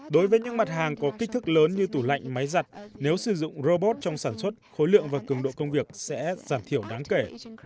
đối với những mặt hàng có kích thước lớn như tủ lạnh máy giặt nếu sử dụng robot trong sản xuất khối lượng và cường độ công việc sẽ giảm thiểu đáng kể